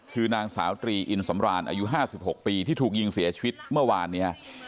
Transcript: คือนางสาวตรีอินสำราญอายุ๕๖ปีที่ถูกยิงเสียชีวิตเมื่อวานนี้